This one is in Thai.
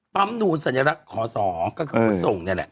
ปั๊มนูนสัญลักษณ์ข๒ก็คือคุณส่งเนี่ยแหละ